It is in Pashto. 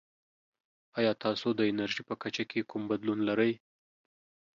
ایا تاسو د انرژي په کچه کې کوم بدلون لرئ؟